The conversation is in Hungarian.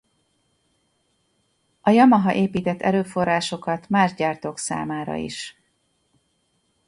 A Yamaha épített erőforrásokat más gyártók számára is.